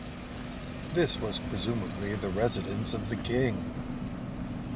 This was presumably the residence of the king.